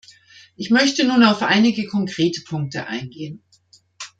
Ich möchte nun auf einige konkrete Punkte eingehen.